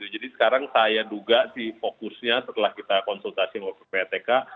jadi sekarang saya duga sih fokusnya setelah kita konsultasi sama ppatk